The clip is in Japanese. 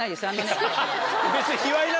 別に。